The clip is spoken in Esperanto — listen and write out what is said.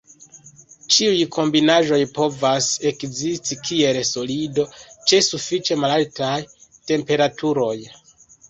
Ĉiuj kombinaĵoj povas ekzisti kiel solido, ĉe sufiĉe malaltaj temperaturoj.